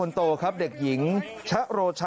น้องเสียแล้วลูก